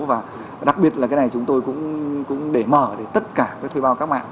và đặc biệt là cái này chúng tôi cũng để mở để tất cả các thuê bao các mạng